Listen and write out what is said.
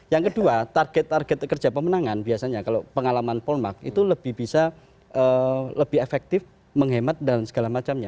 yang kedua target target kerja pemenangan biasanya kalau pengalaman polmark itu lebih bisa lebih efektif menghemat dan segala macamnya